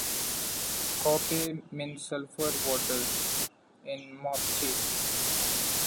"Copahue" means "sulphur waters" in Mapuche.